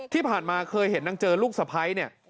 ที่ผ่านมาเคยเห็นนางเจอลูกสะพ้ายเนี่ย